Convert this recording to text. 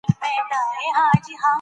سمت پرستي مه کوئ.